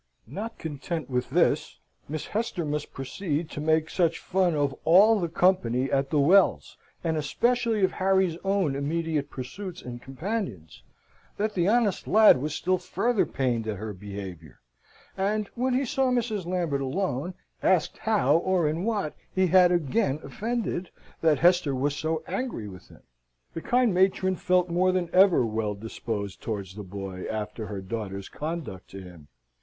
Not content with this, Miss Hester must proceed to make such fun of all the company at the Wells, and especially of Harry's own immediate pursuits and companions, that the honest lad was still further pained at her behaviour; and, when he saw Mrs. Lambert alone, asked how or in what he had again offended, that Hester was so angry with him? The kind matron felt more than ever well disposed towards the boy, after her daughter's conduct to him.